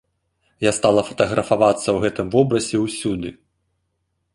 Я стала фатаграфавацца ў гэтым вобразе ўсюды!